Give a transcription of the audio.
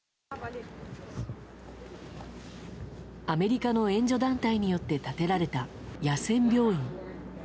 アメリカの援助団体によって建てられた野戦病院。